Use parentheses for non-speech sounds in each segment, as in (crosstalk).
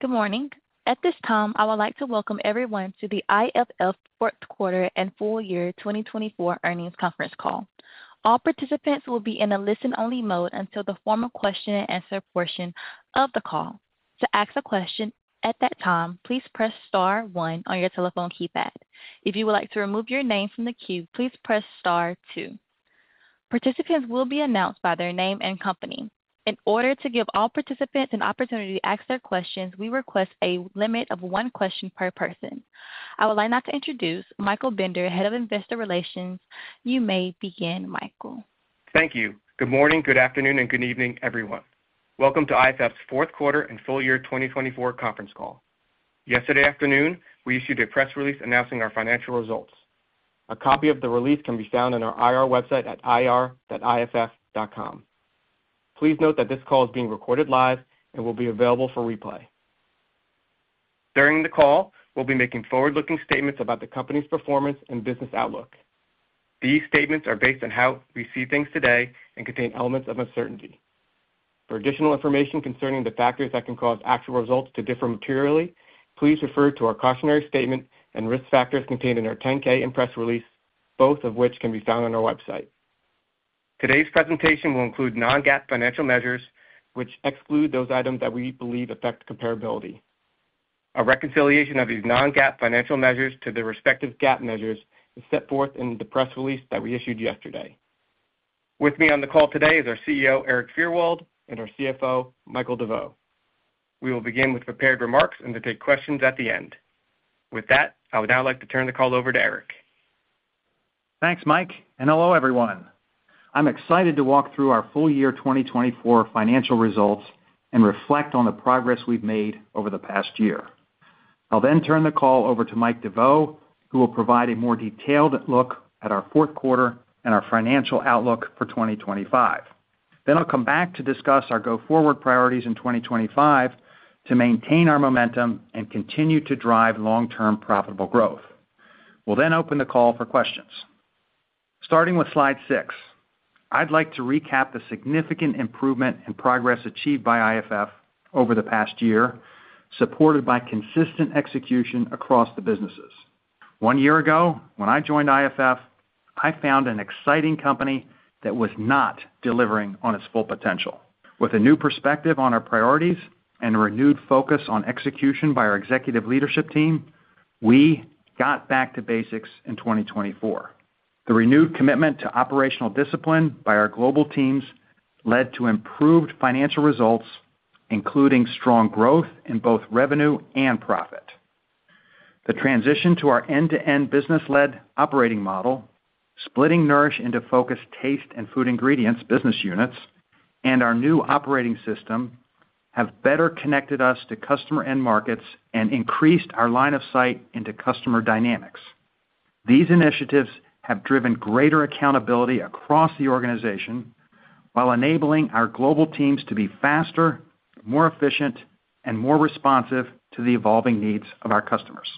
Good morning. At this time, I would like to welcome everyone to the IFF fourth quarter and Full Year 2024 Earnings Conference Call. All participants will be in a listen-only mode until the formal question-and-answer portion of the call. To ask a question at that time, please press star one on your telephone keypad. If you would like to remove your name from the queue, please press star two. Participants will be announced by their name and company. In order to give all participants an opportunity to ask their questions, we request a limit of one question per person. I would like to introduce Michael Bender, Head of Investor Relations. You may begin, Michael. Thank you. Good morning, good afternoon, and good evening, everyone. Welcome to IFF's fourth quarter and Full Year 2024 Conference Call. Yesterday afternoon, we issued a press release announcing our financial results. A copy of the release can be found on our IR website at ir-iff.com. Please note that this call is being recorded live and will be available for replay. During the call, we'll be making forward-looking statements about the company's performance and business outlook. These statements are based on how we see things today and contain elements of uncertainty. For additional information concerning the factors that can cause actual results to differ materially, please refer to our cautionary statement and risk factors contained in our 10-K and press release, both of which can be found on our website. Today's presentation will include non-GAAP financial measures, which exclude those items that we believe affect comparability. A reconciliation of these non-GAAP financial measures to their respective GAAP measures is set forth in the press release that we issued yesterday. With me on the call today is our CEO, Erik Fyrwald, and our CFO, Michael Deveau. We will begin with prepared remarks and then take questions at the end. With that, I would now like to turn the call over to Erik. Thanks, Mike, and hello, everyone. I'm excited to walk through our full year 2024 financial results and reflect on the progress we've made over the past year. I'll then turn the call over to Mike Deveau, who will provide a more detailed look at our fourth quarter and our financial outlook for 2025, then I'll come back to discuss our go forward priorities in 2025 to maintain our momentum and continue to drive long-term profitable growth. We'll then open the call for questions. Starting with slide six, I'd like to recap the significant improvement and progress achieved by IFF over the past year, supported by consistent execution across the businesses. One year ago, when I joined IFF, I found an exciting company that was not delivering on its full potential. With a new perspective on our priorities and a renewed focus on execution by our executive leadership team, we got back to basics in 2024. The renewed commitment to operational discipline by our global teams led to improved financial results, including strong growth in both revenue and profit. The transition to our end-to-end business-led operating model, splitting Nourish into focused Taste and Food Ingredients business units, and our new operating system have better connected us to customer end markets and increased our line of sight into customer dynamics. These initiatives have driven greater accountability across the organization while enabling our global teams to be faster, more efficient, and more responsive to the evolving needs of our customers.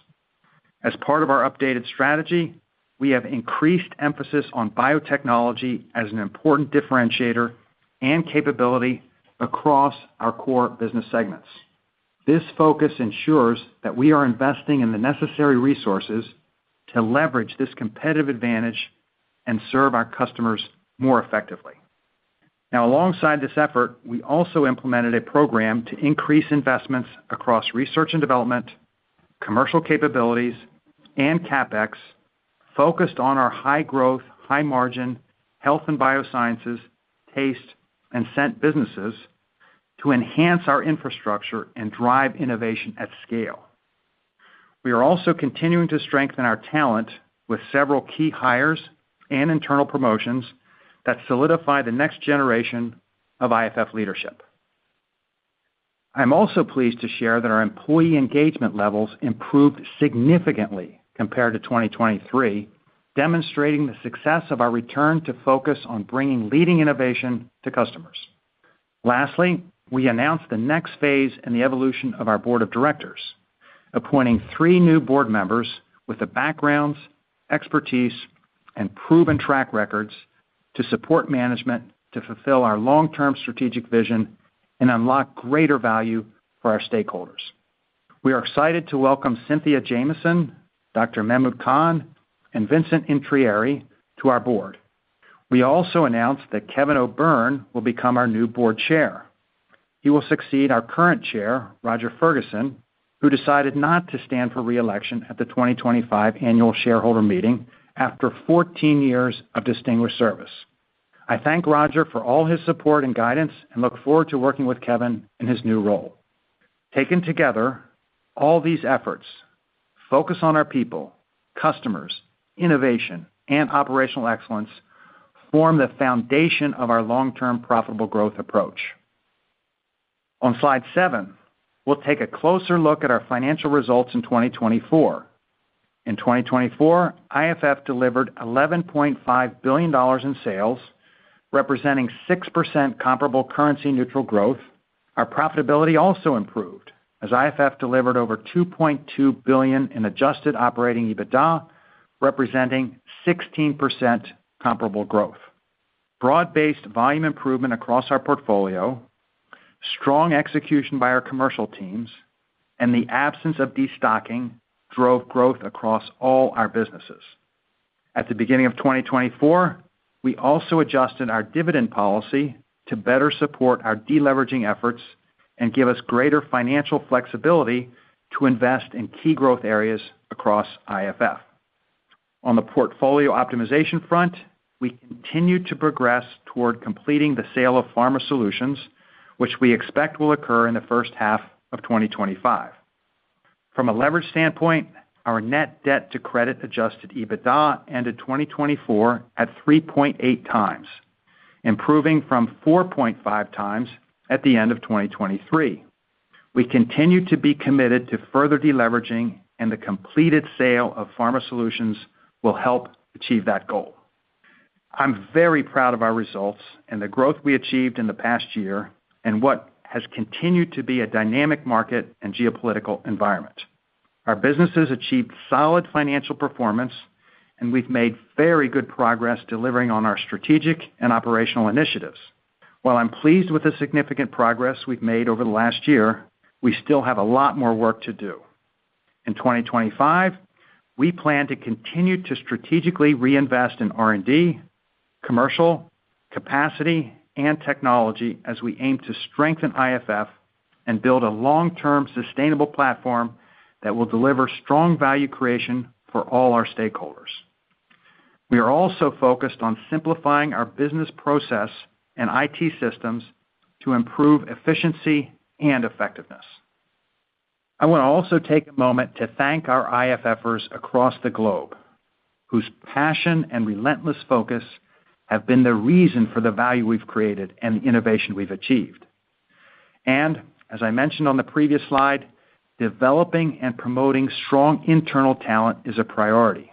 As part of our updated strategy, we have increased emphasis on biotechnology as an important differentiator and capability across our core business segments. This focus ensures that we are investing in the necessary resources to leverage this competitive advantage and serve our customers more effectively. Now, alongside this effort, we also implemented a program to increase investments across research and development, commercial capabilities, and CapEx focused on our high growth, high margin, Health and Biosciences, Taste, and Scent businesses to enhance our infrastructure and drive innovation at scale. We are also continuing to strengthen our talent with several key hires and internal promotions that solidify the next generation of IFF leadership. I'm also pleased to share that our employee engagement levels improved significantly compared to 2023, demonstrating the success of our return to focus on bringing leading innovation to customers. Lastly, we announced the next phase in the evolution of our board of directors, appointing three new board members with the backgrounds, expertise, and proven track records to support management to fulfill our long-term strategic vision and unlock greater value for our stakeholders. We are excited to welcome Cynthia Jamison, Dr. Mahmoud Khan, and Vincent Intrieri to our board. We also announced that Kevin O'Byrne will become our new board chair. He will succeed our current chair, Roger Ferguson, who decided not to stand for reelection at the 2025 annual shareholder meeting after 14 years of distinguished service. I thank Roger for all his support and guidance and look forward to working with Kevin in his new role. Taken together, all these efforts (focus on our people, customers, innovation, and operational excellence) form the foundation of our long-term profitable growth approach. On slide seven, we'll take a closer look at our financial results in 2024. In 2024, IFF delivered $11.5 billion in sales, representing 6% comparable currency-neutral growth. Our profitability also improved as IFF delivered over $2.2 billion in Adjusted Operating EBITDA, representing 16% comparable growth. Broad-based volume improvement across our portfolio, strong execution by our commercial teams, and the absence of destocking drove growth across all our businesses. At the beginning of 2024, we also adjusted our dividend policy to better support our deleveraging efforts and give us greater financial flexibility to invest in key growth areas across IFF. On the portfolio optimization front, we continue to progress toward completing the sale of Pharma Solutions, which we expect will occur in the first half of 2025. From a leverage standpoint, our net debt-to-credit-adjusted EBITDA ended 2024 at 3.8 times, improving from 4.5 times at the end of 2023. We continue to be committed to further deleveraging, and the completed sale of Pharma Solutions will help achieve that goal. I'm very proud of our results and the growth we achieved in the past year and what has continued to be a dynamic market and geopolitical environment. Our businesses achieved solid financial performance, and we've made very good progress delivering on our strategic and operational initiatives. While I'm pleased with the significant progress we've made over the last year, we still have a lot more work to do. In 2025, we plan to continue to strategically reinvest in R&D, commercial, capacity, and technology as we aim to strengthen IFF and build a long-term sustainable platform that will deliver strong value creation for all our stakeholders. We are also focused on simplifying our business process and IT systems to improve efficiency and effectiveness. I want to also take a moment to thank our IFFers across the globe, whose passion and relentless focus have been the reason for the value we've created and the innovation we've achieved. And as I mentioned on the previous slide, developing and promoting strong internal talent is a priority.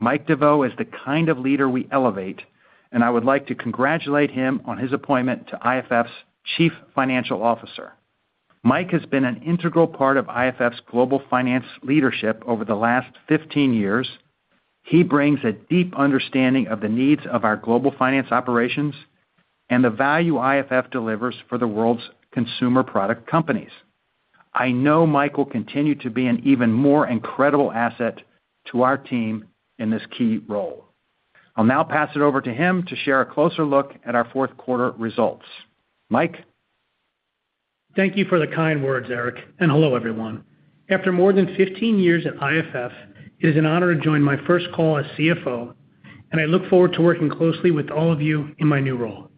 Mike Deveau is the kind of leader we elevate, and I would like to congratulate him on his appointment to IFF's Chief Financial Officer. Mike has been an integral part of IFF's global finance leadership over the last 15 years. He brings a deep understanding of the needs of our global finance operations and the value IFF delivers for the world's consumer product companies. I know Mike will continue to be an even more incredible asset to our team in this key role. I'll now pass it over to him to share a closer look at our fourth quarter results. Mike. Thank you for the kind words, Erik, and hello, everyone. After more than 15 years at IFF, it is an honor to join my first call as CFO, and I look forward to working closely with all of you in my new role.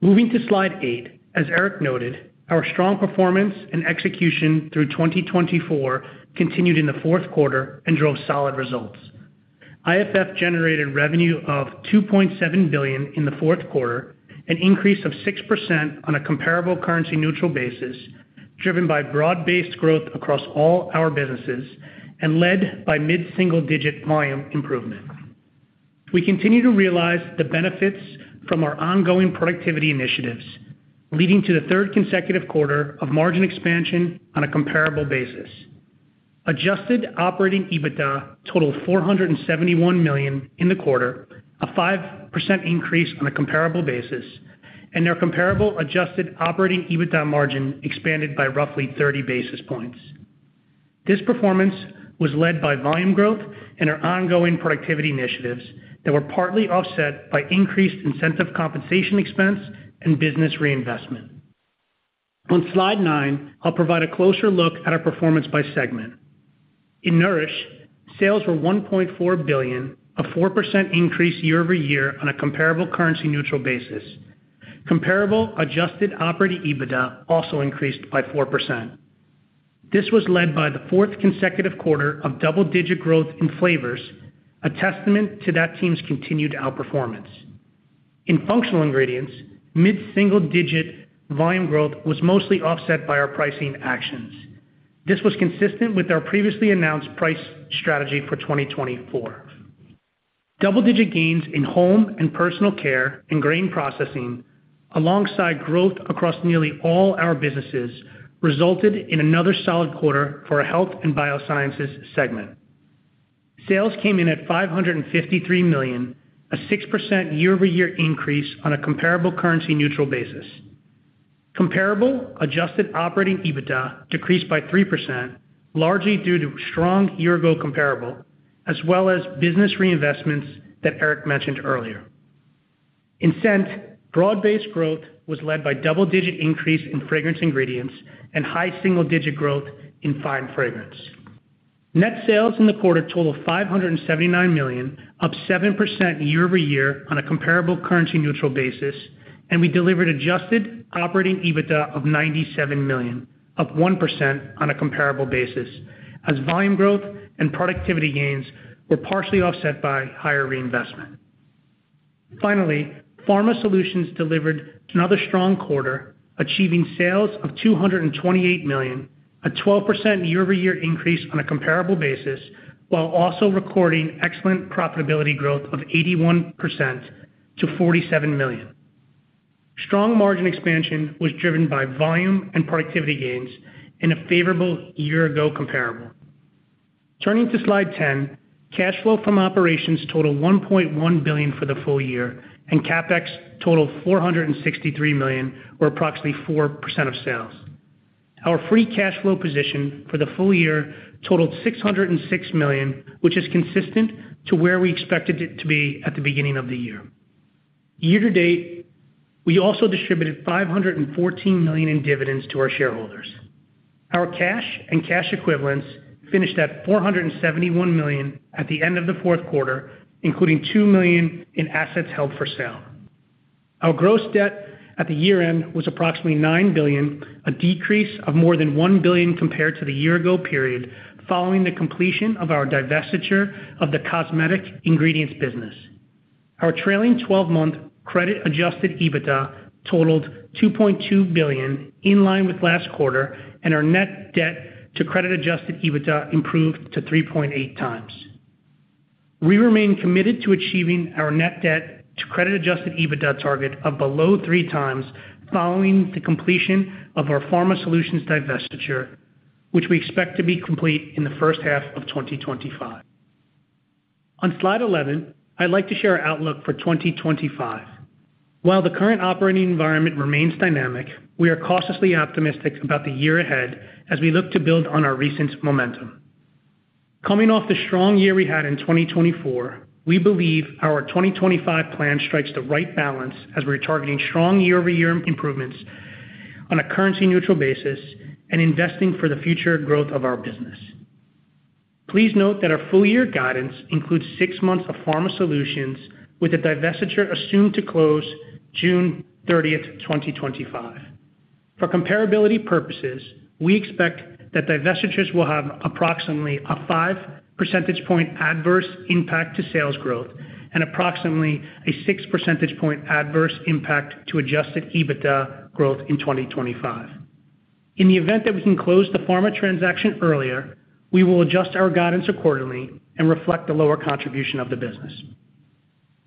Moving to slide eight, as Erik noted, our strong performance and execution through 2024 continued in the fourth quarter and drove solid results. IFF generated revenue of $2.7 billion in the fourth quarter, an increase of 6% on a comparable currency-neutral basis, driven by broad-based growth across all our businesses and led by mid-single-digit volume improvement. We continue to realize the benefits from our ongoing productivity initiatives, leading to the third consecutive quarter of margin expansion on a comparable basis. Adjusted operating EBITDA totaled $471 million in the quarter, a 5% increase on a comparable basis, and our comparable adjusted operating EBITDA margin expanded by roughly 30 basis points. This performance was led by volume growth and our ongoing productivity initiatives that were partly offset by increased incentive compensation expense and business reinvestment. On slide nine, I'll provide a closer look at our performance by segment. In Nourish, sales were $1.4 billion, a 4% increase year over year on a comparable currency-neutral basis. Comparable adjusted operating EBITDA also increased by 4%. This was led by the fourth consecutive quarter of double-digit growth in flavors, a testament to that team's continued outperformance. In Functional Ingredients, mid-single-digit volume growth was mostly offset by our pricing actions. This was consistent with our previously announced price strategy for 2024. Double-digit gains in home and personal care and grain processing, alongside growth across nearly all our businesses, resulted in another solid quarter for our health and biosciences segment. Sales came in at $553 million, a 6% year-over-year increase on a comparable currency-neutral basis. Comparable adjusted operating EBITDA decreased by 3%, largely due to strong year-ago comparable, as well as business reinvestments that Erik mentioned earlier. In scent, broad-based growth was led by double-digit increase in fragrance ingredients and high single-digit growth in fine fragrance. Net sales in the quarter totaled $579 million, up 7% year-over-year on a comparable currency-neutral basis, and we delivered adjusted operating EBITDA of $97 million, up 1% on a comparable basis, as volume growth and productivity gains were partially offset by higher reinvestment. Finally, Pharma Solutions delivered another strong quarter, achieving sales of $228 million, a 12% year-over-year increase on a comparable basis, while also recording excellent profitability growth of 81% to $47 million. Strong margin expansion was driven by volume and productivity gains in a favorable year-ago comparable. Turning to slide 10, cash flow from operations totaled $1.1 billion for the full year, and CapEx totaled $463 million, or approximately 4% of sales. Our free cash flow position for the full year totaled $606 million, which is consistent to where we expected it to be at the beginning of the year. Year to date, we also distributed $514 million in dividends to our shareholders. Our cash and cash equivalents finished at $471 million at the end of the fourth quarter, including $2 million in assets held for sale. Our gross debt at the year-end was approximately $9 billion, a decrease of more than $1 billion compared to the year-ago period following the completion of our divestiture of the cosmetic ingredients business. Our trailing 12-month credit-adjusted EBITDA totaled $2.2 billion, in line with last quarter, and our net debt-to-credit adjusted EBITDA improved to 3.8 times. We remain committed to achieving our net debt-to-credit adjusted EBITDA target of below three times following the completion of our Pharma Solutions divestiture, which we expect to be complete in the first half of 2025. On slide 11, I'd like to share our outlook for 2025. While the current operating environment remains dynamic, we are cautiously optimistic about the year ahead as we look to build on our recent momentum. Coming off the strong year we had in 2024, we believe our 2025 plan strikes the right balance as we're targeting strong year-over-year improvements on a currency-neutral basis and investing for the future growth of our business. Please note that our full-year guidance includes six months of Pharma Solutions, with a divestiture assumed to close June 30, 2025. For comparability purposes, we expect that divestitures will have approximately a 5 percentage point adverse impact to sales growth and approximately a 6 percentage point adverse impact to adjusted EBITDA growth in 2025. In the event that we can close the Pharma transaction earlier, we will adjust our guidance accordingly and reflect the lower contribution of the business.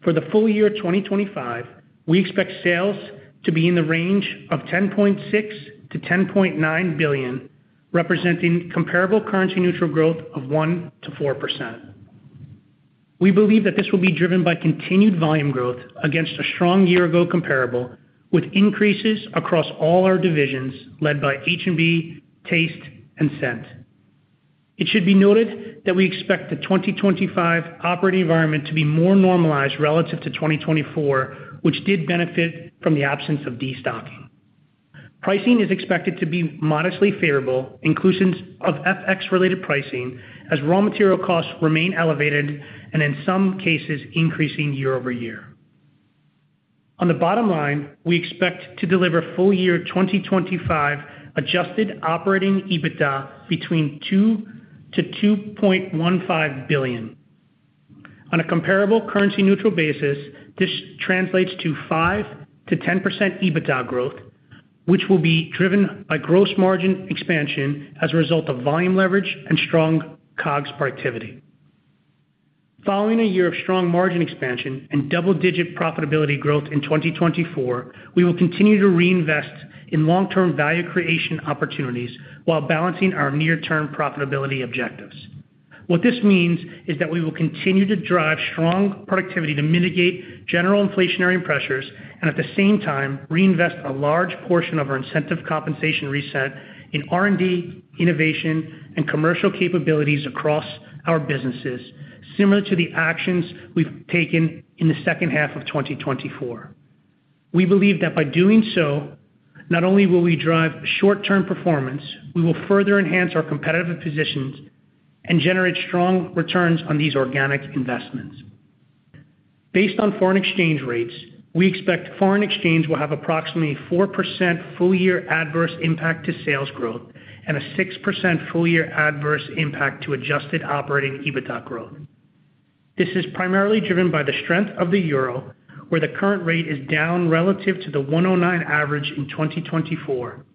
For the full year 2025, we expect sales to be in the range of $10.6-$10.9 billion, representing comparable currency-neutral growth of 1% to 4%. We believe that this will be driven by continued volume growth against a strong year-ago comparable, with increases across all our divisions led by H&B, Taste, and Scent. It should be noted that we expect the 2025 operating environment to be more normalized relative to 2024, which did benefit from the absence of destocking. Pricing is expected to be modestly favorable, including FX-related pricing, as raw material costs remain elevated and in some cases increasing year-over-year. On the bottom line, we expect to deliver full-year 2025 Adjusted Operating EBITDA between $2-$2.15 billion. On a comparable currency-neutral basis, this translates to 5%-10% EBITDA growth, which will be driven by gross margin expansion as a result of volume leverage and strong COGS productivity. Following a year of strong margin expansion and double-digit profitability growth in 2024, we will continue to reinvest in long-term value creation opportunities while balancing our near-term profitability objectives. What this means is that we will continue to drive strong productivity to mitigate general inflationary pressures and at the same time reinvest a large portion of our incentive compensation reset in R&D, innovation, and commercial capabilities across our businesses, similar to the actions we've taken in the second half of 2024. We believe that by doing so, not only will we drive short-term performance, we will further enhance our competitive positions and generate strong returns on these organic investments. Based on foreign exchange rates, we expect foreign exchange will have approximately 4% full-year adverse impact to sales growth and a 6% full-year adverse impact to Adjusted Operating EBITDA growth. This is primarily driven by the strength of the euro, where the current rate is down relative to the 1.09 average in 2024.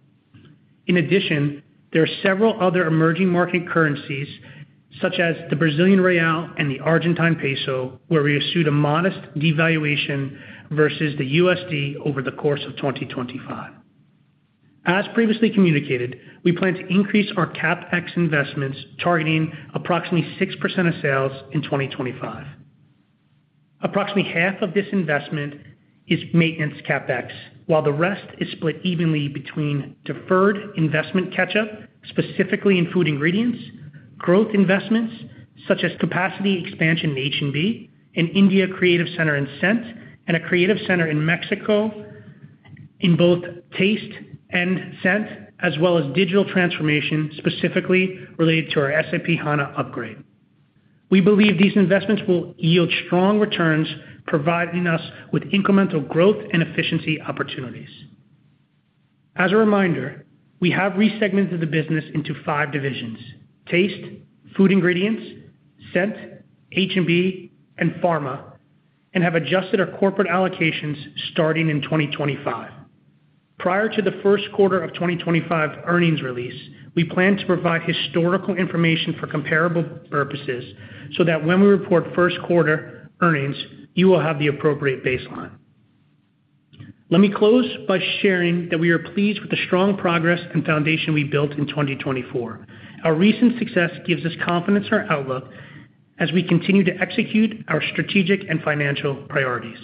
In addition, there are several other emerging market currencies, such as the Brazilian Real and the Argentine Peso, where we assumed a modest devaluation versus the USD over the course of 2025. As previously communicated, we plan to increase our CapEx investments, targeting approximately 6% of sales in 2025. Approximately half of this investment is maintenance CapEx, while the rest is split evenly between deferred investment catch-up, specifically in food ingredients, growth investments such as capacity expansion in H&B, an India Creative Center in Scent, and a Creative Center in Mexico in both Taste and Scent, as well as digital transformation specifically related to our SAP S/4HANA upgrade. We believe these investments will yield strong returns, providing us with incremental growth and efficiency opportunities. As a reminder, we have resegmented the business into five divisions: Taste, Food Ingredients, Scent, H&B, and Pharma, and have adjusted our corporate allocations starting in 2025. Prior to the first quarter of 2025 earnings release, we plan to provide historical information for comparable purposes so that when we report first quarter earnings, you will have the appropriate baseline. Let me close by sharing that we are pleased with the strong progress and foundation we built in 2024. Our recent success gives us confidence in our outlook as we continue to execute our strategic and financial priorities.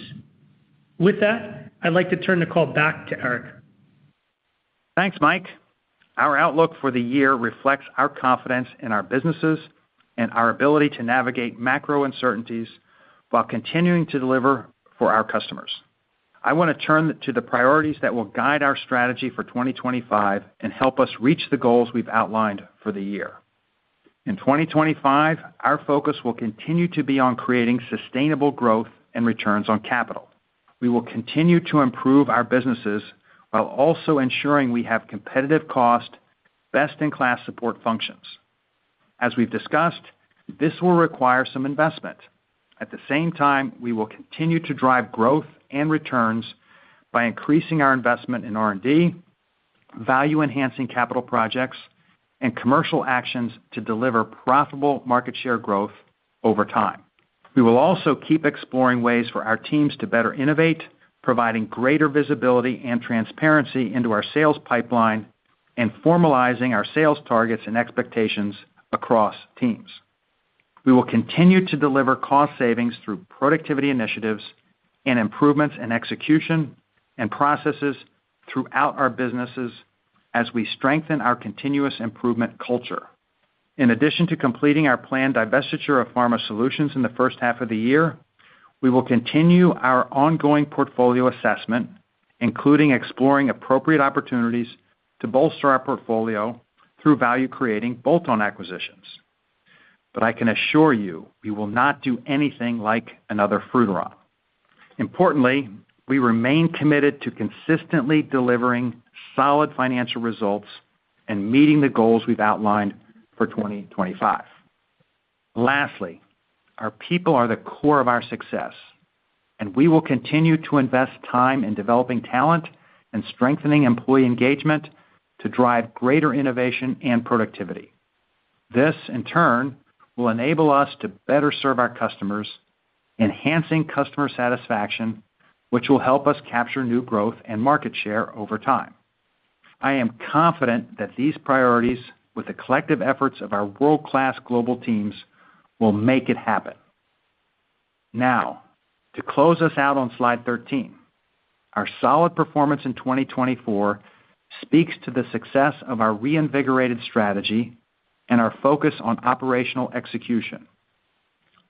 With that, I'd like to turn the call back to Erik. Thanks, Mike. Our outlook for the year reflects our confidence in our businesses and our ability to navigate macro uncertainties while continuing to deliver for our customers. I want to turn to the priorities that will guide our strategy for 2025 and help us reach the goals we've outlined for the year. In 2025, our focus will continue to be on creating sustainable growth and returns on capital. We will continue to improve our businesses while also ensuring we have competitive cost, best-in-class support functions. As we've discussed, this will require some investment. At the same time, we will continue to drive growth and returns by increasing our investment in R&D, value-enhancing capital projects, and commercial actions to deliver profitable market share growth over time. We will also keep exploring ways for our teams to better innovate, providing greater visibility and transparency into our sales pipeline and formalizing our sales targets and expectations across teams. We will continue to deliver cost savings through productivity initiatives and improvements in execution and processes throughout our businesses as we strengthen our continuous improvement culture. In addition to completing our planned divestiture of Pharma Solutions in the first half of the year, we will continue our ongoing portfolio assessment, including exploring appropriate opportunities to bolster our portfolio through value-creating bolt-on acquisitions. But I can assure you, we will not do anything like another Frutarom. Importantly, we remain committed to consistently delivering solid financial results and meeting the goals we've outlined for 2025. Lastly, our people are the core of our success, and we will continue to invest time in developing talent and strengthening employee engagement to drive greater innovation and productivity. This, in turn, will enable us to better serve our customers, enhancing customer satisfaction, which will help us capture new growth and market share over time. I am confident that these priorities, with the collective efforts of our world-class global teams, will make it happen. Now, to close us out on slide 13, our solid performance in 2024 speaks to the success of our reinvigorated strategy and our focus on operational execution.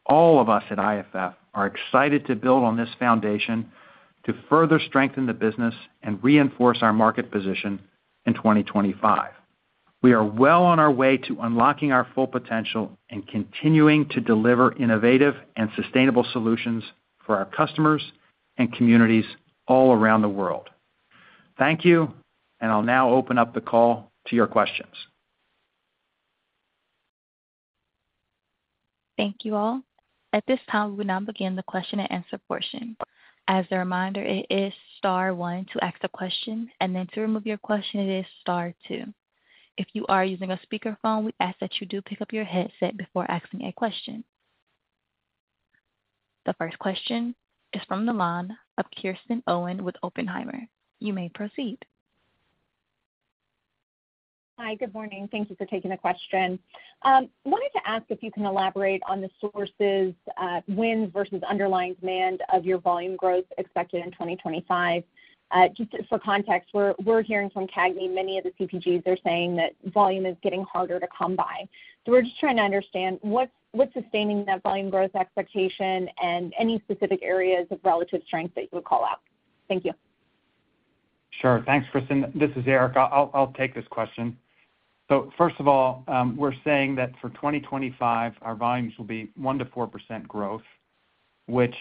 All of us at IFF are excited to build on this foundation to further strengthen the business and reinforce our market position in 2025. We are well on our way to unlocking our full potential and continuing to deliver innovative and sustainable solutions for our customers and communities all around the world. Thank you, and I'll now open up the call to your questions. Thank you all. At this time, we will now begin the question-and-answer portion. As a reminder, it is star one to ask a question, and then to remove your question, it is star two. If you are using a speakerphone, we ask that you do pick up your headset before asking a question. The first question is from Kristen Owen with Oppenheimer. You may proceed. Hi, good morning. Thank you for taking the question. I wanted to ask if you can elaborate on the sources, wins versus underlying demand of your volume growth expected in 2025. Just for context, we're hearing from CAGNY, many of the CPGs are saying that volume is getting harder to come by. So we're just trying to understand what's sustaining that volume growth expectation and any specific areas of relative strength that you would call out. Thank you. Sure. Thanks, Kristen. This is Erik. I'll take this question. So first of all, we're saying that for 2025, our volumes will be 1%-4% growth, which,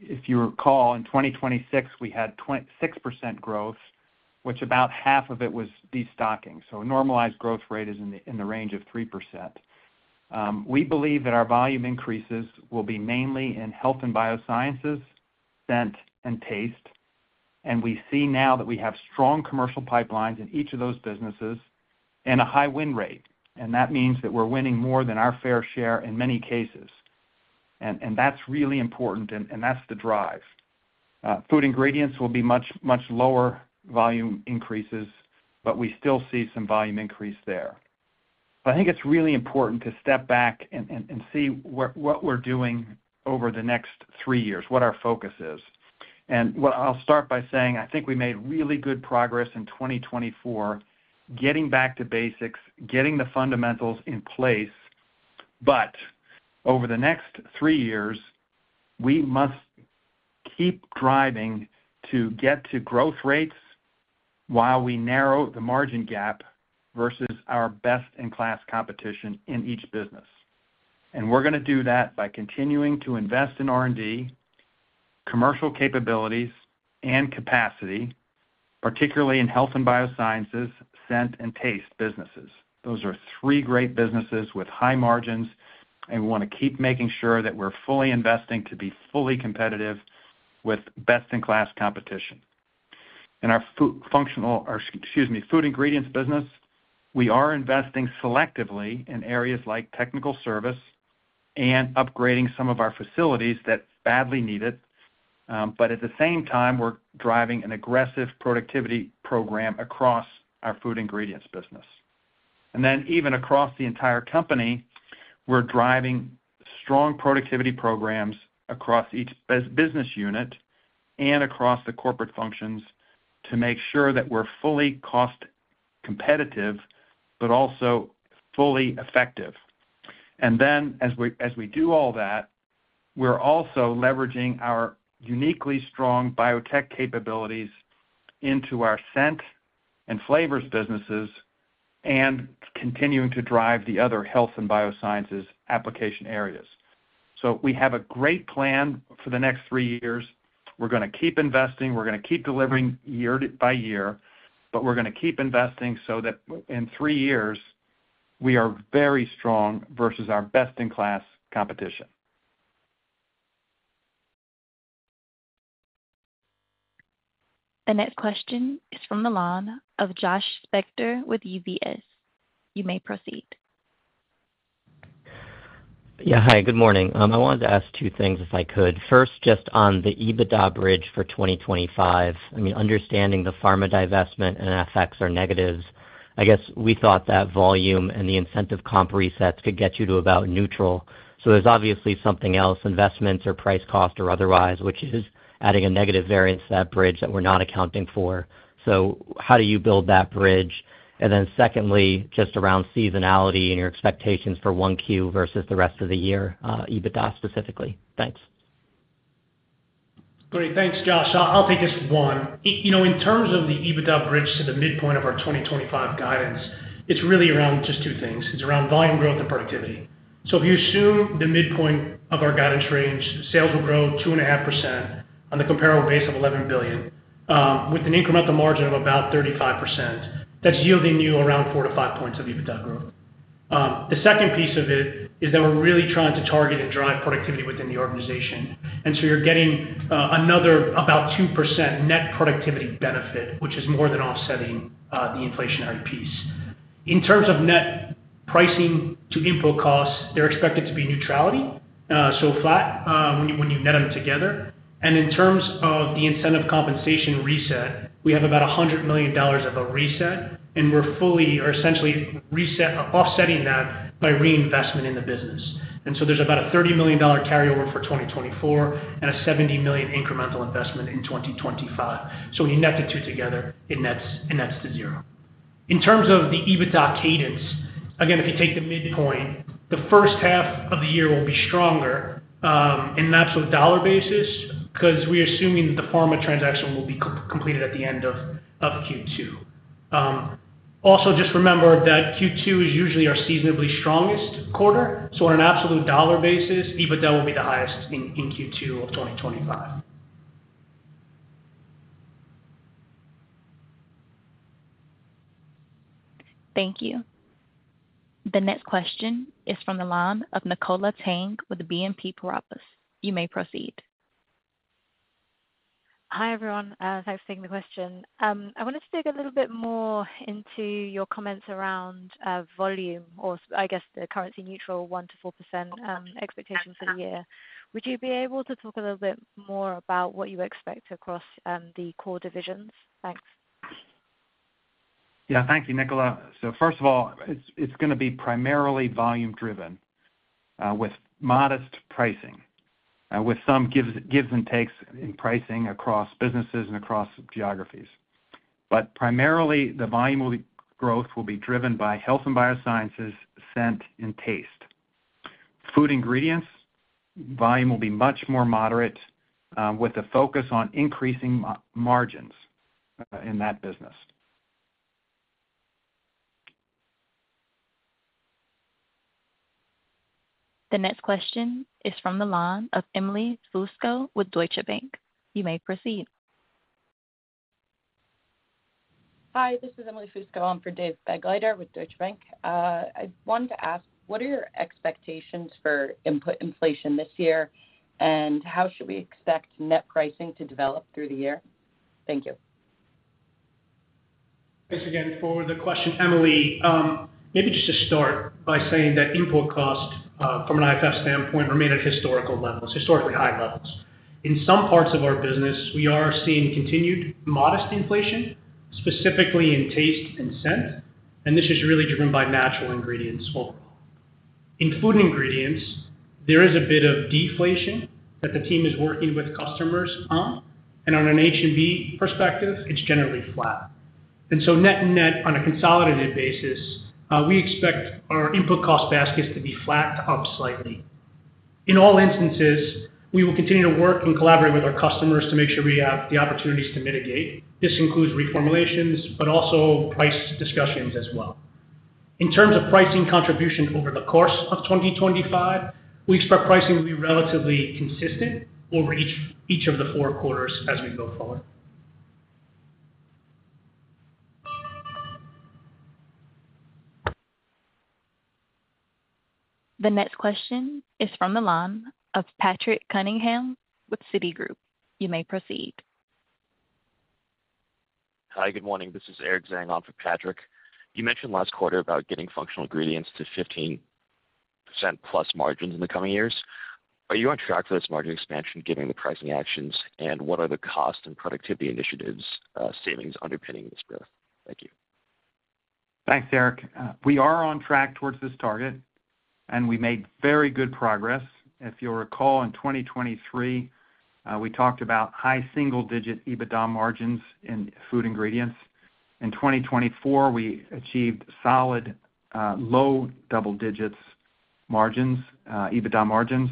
if you recall, in 2026, we had 6% growth, which about half of it was destocking. So a normalized growth rate is in the range of 3%. We believe that our volume increases will be mainly in Health and Biosciences, Scent, and Taste. And we see now that we have strong commercial pipelines in each of those businesses and a high win rate. And that means that we're winning more than our fair share in many cases. And that's really important, and that's the drive. Food Ingredients will be much, much lower volume increases, but we still see some volume increase there. I think it's really important to step back and see what we're doing over the next three years, what our focus is. And I'll start by saying I think we made really good progress in 2024, getting back to basics, getting the fundamentals in place. But over the next three years, we must keep driving to get to growth rates while we narrow the margin gap versus our best-in-class competition in each business. And we're going to do that by continuing to invest in R&D, commercial capabilities, and capacity, particularly in Health and Biosciences, Scent, and Taste businesses. Those are three great businesses with high margins, and we want to keep making sure that we're fully investing to be fully competitive with best-in-class competition. In our functional, excuse me, food ingredients business, we are investing selectively in areas like technical service and upgrading some of our facilities that badly need it. But at the same time, we're driving an aggressive productivity program across our food ingredients business. And then even across the entire company, we're driving strong productivity programs across each business unit and across the corporate functions to make sure that we're fully cost competitive, but also fully effective. And then as we do all that, we're also leveraging our uniquely strong biotech capabilities into our Scent and Flavors businesses and continuing to drive the other health and biosciences application areas. So we have a great plan for the next three years. We're going to keep investing. We're going to keep delivering year by year, but we're going to keep investing so that in three years, we are very strong versus our best-in-class competition. The next question is from the line of Josh Spector with UBS. You may proceed. Yeah. Hi, good morning. I wanted to ask two things if I could. First, just on the EBITDA bridge for 2025, I mean, understanding the pharma divestment and FX headwinds, I guess we thought that volume and the incentive comp resets could get you to about neutral. So there's obviously something else, investments or price cost or otherwise, which is adding a negative variance to that bridge that we're not accounting for. So how do you build that bridge? And then secondly, just around seasonality and your expectations for 1Q versus the rest of the year, EBITDA specifically. Thanks. Great. Thanks, Josh. I'll take just one. In terms of the EBITDA bridge to the midpoint of our 2025 guidance, it's really around just two things. It's around volume growth and productivity. So if you assume the midpoint of our guidance range, sales will grow 2.5% on the comparable base of $11 billion with an incremental margin of about 35%. That's yielding you around 4-5 points of EBITDA growth. The second piece of it is that we're really trying to target and drive productivity within the organization. And so you're getting another about 2% net productivity benefit, which is more than offsetting the inflationary piece. In terms of net pricing to input costs, they're expected to be neutral, so flat when you net them together. And in terms of the incentive compensation reset, we have about $100 million of a reset, and we're fully or essentially offsetting that by reinvestment in the business. And so there's about a $30 million carryover for 2024 and a $70 million incremental investment in 2025. So when you net the two together, it nets to zero. In terms of the EBITDA cadence, again, if you take the midpoint, the first half of the year will be stronger, and that's with dollar basis because we're assuming that the pharma transaction will be completed at the end of Q2. Also, just remember that Q2 is usually our seasonally strongest quarter. So on an absolute dollar basis, EBITDA will be the highest in Q2 of 2025. Thank you. The next question is from the line of Nicola Tang with BNP Paribas. You may proceed. Hi everyone. Thanks for taking the question. I wanted to dig a little bit more into your comments around volume or, I guess, the currency-neutral 1%-4% expectation for the year. Would you be able to talk a little bit more about what you expect across the core divisions? Thanks. Yeah. Thank you, Nicola. So first of all, it's going to be primarily volume-driven with modest pricing, with some give and takes in pricing across businesses and across geographies. But primarily, the volume growth will be driven by Health and Biosciences, Scent, and Taste. Food Ingredients volume will be much more moderate with a focus on increasing margins in that business. The next question is from the line of Emily Fusco with Deutsche Bank. You may proceed. Hi, this is Emily Fusco. I'm for Dave Begleiter with Deutsche Bank. I wanted to ask, what are your expectations for input inflation this year, and how should we expect net pricing to develop through the year? Thank you. Thanks again for the question, Emily. Maybe just to start by saying that input cost, from an IFF standpoint, remained at historical levels, historically high levels. In some parts of our business, we are seeing continued modest inflation, specifically in Taste and Scent, and this is really driven by natural ingredients overall. In food ingredients, there is a bit of deflation that the team is working with customers on. And on an H&B perspective, it's generally flat. And so net-net on a consolidated basis, we expect our input cost baskets to be flat to up slightly. In all instances, we will continue to work and collaborate with our customers to make sure we have the opportunities to mitigate. This includes reformulations, but also price discussions as well. In terms of pricing contribution over the course of 2025, we expect pricing to be relatively consistent over each of the fourth quarter as we go forward. The next question is from the line of Patrick Cunningham with Citigroup. You may proceed. Hi, good morning. This is Eric Zhang on for Patrick. You mentioned last quarter about getting functional ingredients to 15% plus margins in the coming years. Are you on track for this margin expansion, given the pricing actions, and what are the cost and productivity initiatives savings underpinning this growth? Thank you. Thanks, Eric. We are on track towards this target, and we made very good progress. If you'll recall, in 2023, we talked about high single-digit EBITDA margins in food ingredients. In 2024, we achieved solid low double-digits margins, EBITDA margins.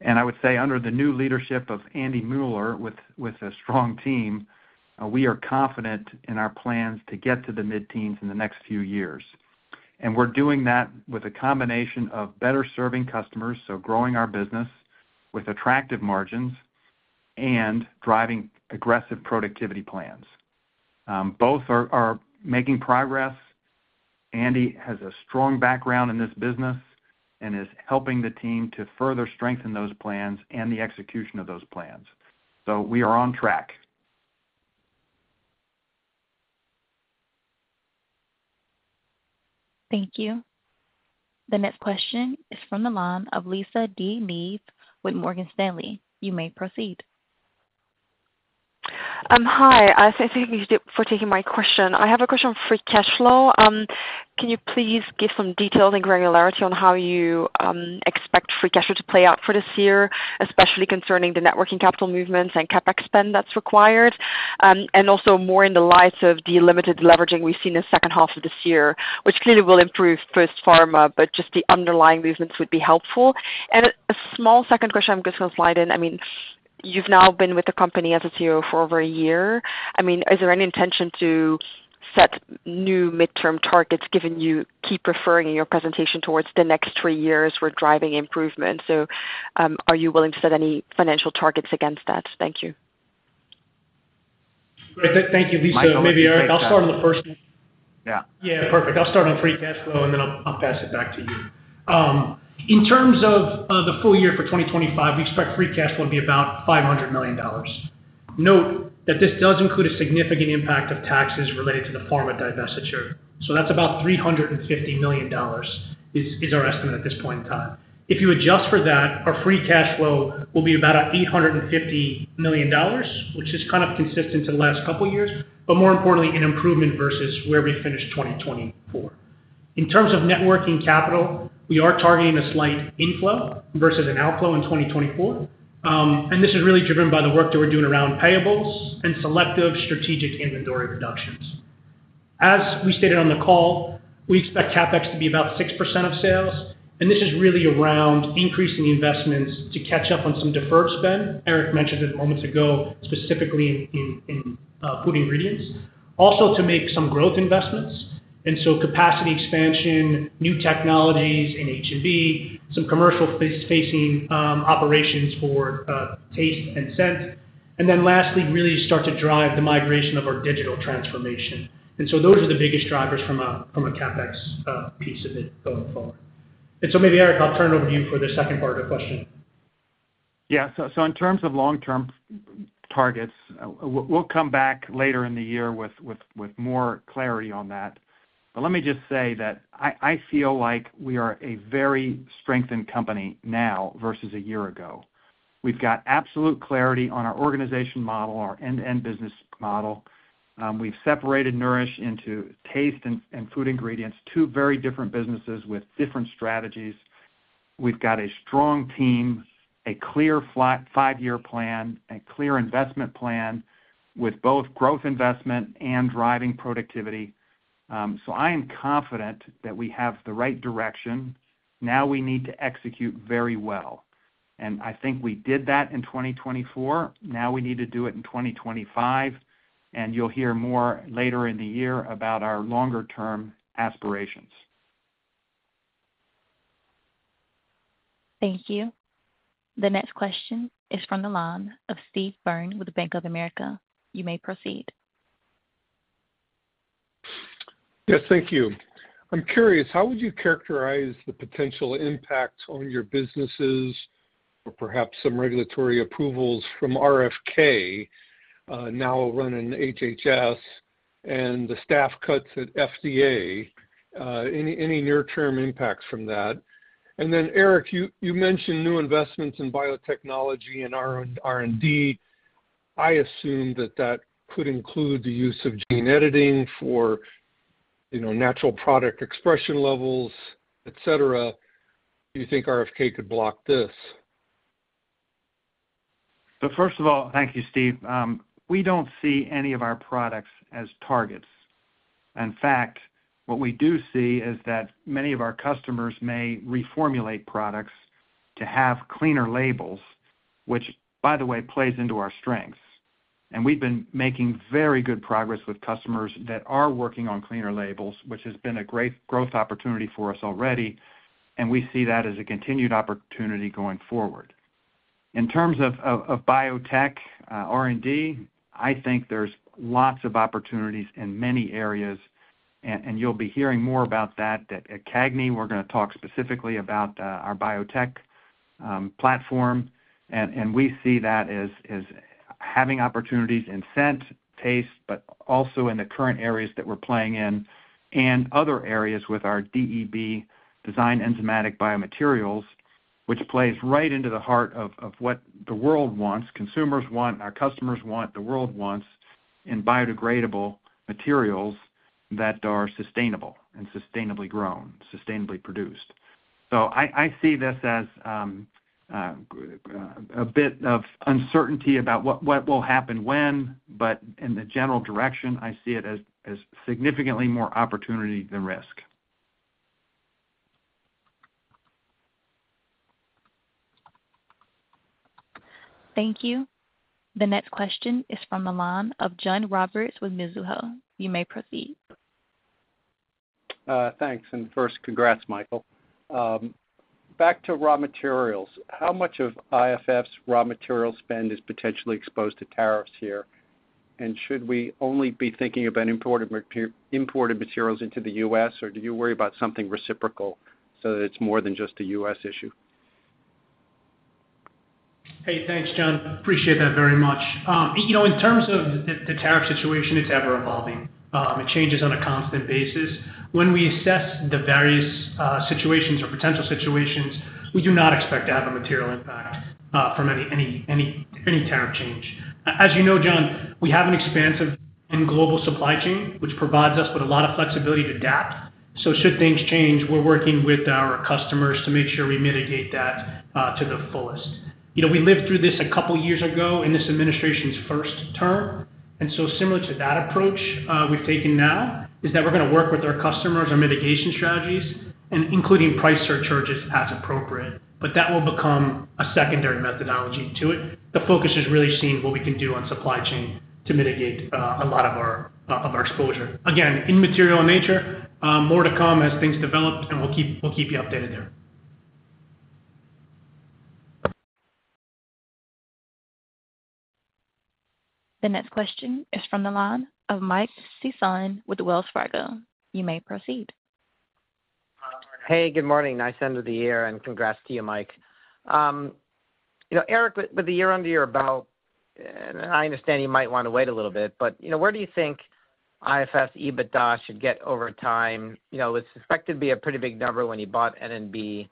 And I would say under the new leadership of Andy Mueller with a strong team, we are confident in our plans to get to the mid-teens in the next few years. And we're doing that with a combination of better-serving customers, so growing our business with attractive margins and driving aggressive productivity plans. Both are making progress. Andy has a strong background in this business and is helping the team to further strengthen those plans and the execution of those plans. So we are on track. Thank you. The next question is from the line of Lisa De Neve with Morgan Stanley. You may proceed. Hi. Thank you for taking my question. I have a question for cash flow. Can you please give some details and granularity on how you expect free cash flow to play out for this year, especially concerning the working capital movements and CapEx spend that's required? And also more in the light of the limited leveraging we've seen in the second half of this year, which clearly will improve post-Pharma, but just the underlying movements would be helpful. And a small second question I'm just going to slide in. I mean, you've now been with the company as a CEO for over a year. I mean, is there any intention to set new midterm targets, given you keep referring in your presentation towards the next three years we're driving improvement? So are you willing to set any financial targets against that? Thank you. Great. Thank you, Lisa. Maybe Erik, I'll start on the first one. Yeah. Yeah. Perfect. I'll start on free cash flow, and then I'll pass it back to you. In terms of the full year for 2025, we expect free cash flow to be about $500 million. Note that this does include a significant impact of taxes related to the pharma divestiture. So that's about $350 million is our estimate at this point in time. If you adjust for that, our free cash flow will be about $850 million, which is kind of consistent to the last couple of years, but more importantly, an improvement versus where we finished 2024. In terms of working capital, we are targeting a slight inflow versus an outflow in 2024, and this is really driven by the work that we're doing around payables and selective strategic inventory reductions. As we stated on the call, we expect CapEx to be about 6% of sales. And this is really around increasing investments to catch up on some deferred spend. Erik mentioned it moments ago, specifically in food ingredients. Also to make some growth investments. And so capacity expansion, new technologies in H&B, some commercial-facing operations for Taste and Scent. And then lastly, really start to drive the migration of our digital transformation. And so those are the biggest drivers from a CapEx piece of it going forward. And so maybe, Erik, I'll turn it over to you for the second part of the question. Yeah. So in terms of long-term targets, we'll come back later in the year with more clarity on that. But let me just say that I feel like we are a very strengthened company now versus a year ago. We've got absolute clarity on our organization model, our end-to-end business model. We've separated Nourish into Taste and Food Ingredients, two very different businesses with different strategies. We've got a strong team, a clear five-year plan, a clear investment plan with both growth investment and driving productivity. So I am confident that we have the right direction. Now we need to execute very well. And I think we did that in 2024. Now we need to do it in 2025. And you'll hear more later in the year about our longer-term aspirations. Thank you. The next question is from the line of Steve Byrne with Bank of America. You may proceed. Yes, thank you. I'm curious, how would you characterize the potential impact on your businesses or perhaps some regulatory approvals from RFK, now running HHS, and the staff cuts at FDA? Any near-term impacts from that? And then, Erik, you mentioned new investments in biotechnology and R&D. I assume that that could include the use of gene editing for natural product expression levels, etc. Do you think RFK could block this? So first of all, thank you, Steve. We don't see any of our products as targets. In fact, what we do see is that many of our customers may reformulate products to have cleaner labels, which, by the way, plays into our strengths. And we've been making very good progress with customers that are working on cleaner labels, which has been a great growth opportunity for us already. And we see that as a continued opportunity going forward. In terms of biotech R&D, I think there's lots of opportunities in many areas. And you'll be hearing more about that at CAGNY. We're going to talk specifically about our biotech platform. We see that as having opportunities in Scent, Taste, but also in the current areas that we're playing in, and other areas with our DEB, Designed Enzymatic Biomaterials, which plays right into the heart of what the world wants, consumers want, our customers want, the world wants in biodegradable materials that are sustainable and sustainably grown, sustainably produced. I see this as a bit of uncertainty about what will happen when, but in the general direction, I see it as significantly more opportunity than risk. Thank you. The next question is from John Roberts with Mizuho. You may proceed. Thanks. And first, congrats, Michael. Back to raw materials. How much of IFF's raw material spend is potentially exposed to tariffs here? And should we only be thinking about imported materials into the U.S., or do you worry about something reciprocal so that it's more than just a U.S. issue? Hey, thanks, John. Appreciate that very much. In terms of the tariff situation, it's ever-evolving. It changes on a constant basis. When we assess the various situations or potential situations, we do not expect to have a material impact from any tariff change. As you know, John, we have an expansive and global supply chain, which provides us with a lot of flexibility to adapt. So should things change, we're working with our customers to make sure we mitigate that to the fullest. We lived through this a couple of years ago in this administration's first term, and so similar to that approach we've taken now is that we're going to work with our customers, our mitigation strategies, and including price surcharges as appropriate, but that will become a secondary methodology to it. The focus is really seeing what we can do on supply chain to mitigate a lot of our exposure. Again, in material nature, more to come as things develop, and we'll keep you updated there. The next question is from the line of Michael Sison with Wells Fargo. You may proceed. Hey, good morning. Nice end of the year, and congrats to you, Mike. Erik, with the year-end, you're about, and I understand you might want to wait a little bit, but where do you think IFF's EBITDA should go over time? It's expected to be a pretty big number when you bought N&B,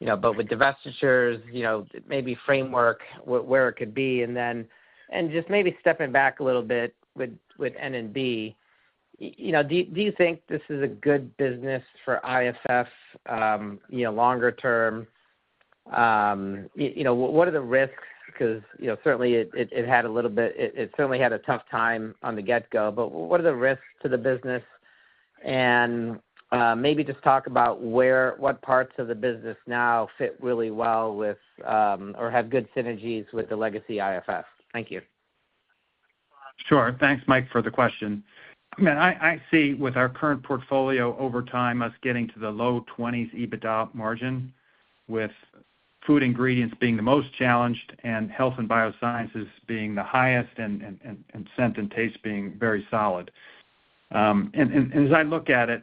but with divestitures, maybe framework where it could be. And then just maybe stepping back a little bit with N&B, do you think this is a good business for IFF longer term? What are the risks? Because certainly, it certainly had a tough time from the get-go, but what are the risks to the business? And maybe just talk about what parts of the business now fit really well with or have good synergies with the legacy IFF. Thank you. Sure. Thanks, Mike, for the question. I mean, I see with our current portfolio over time, us getting to the low 20s EBITDA margin, with food ingredients being the most challenged and health and biosciences being the highest and Scent and Taste being very solid, and as I look at it,